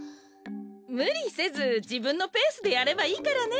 むりせずじぶんのペースでやればいいからね。